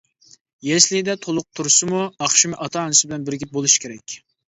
يەسلىدە تولۇق تۇرسىمۇ، ئاخشىمى ئاتا-ئانىسى بىلەن بىرگە بولۇشى كېرەك.